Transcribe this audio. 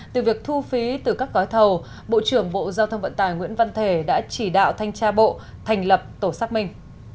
từ việc thu phí từ các gói thầu bộ trưởng bộ giao thông vận tải nguyễn văn thể đã chỉ đạo thanh tra bộ thành lập tổ xác minh